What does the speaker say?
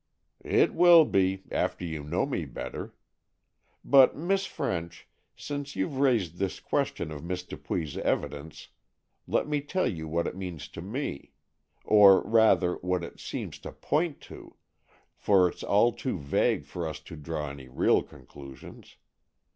"It will be, after you know me better. But Miss French, since you've raised this question of Miss Dupuy's evidence, let me tell you what it means to me. Or, rather, what it seems to point to, for it's all too vague for us to draw any real conclusions.